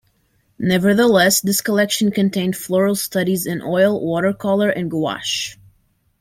Nevertheless, this collection contained floral studies in oil, watercolor and gouache.